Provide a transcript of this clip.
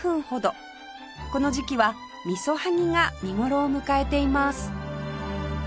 この時期はミソハギが見頃を迎えています